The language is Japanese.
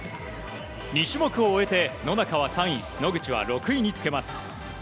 ２種目を終えて野中は３位野口は６位につけます。